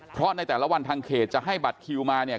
เพราะในแต่ละวันทางเขตจะให้บัตรคิวมาเนี่ย